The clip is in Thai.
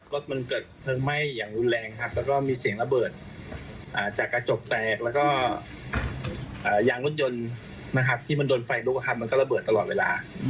รถมันเกิดเผ้งแม่งอย่างรุนแรงและมีเสียงระเบิดจากกระจกแตกและยางรถยนต์ที่เราได้บุหารให้โดนไฟที่มันก็ระเบิดตลอดเวลา